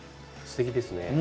すてきですね。